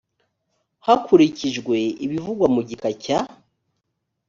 hakurikijwe ibivugwa mu gika cya